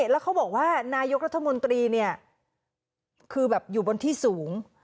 แล้วเขาบอกว่านายกรัฐมนตรีเนี่ยคือแบบอยู่บนที่สูง